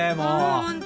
本当。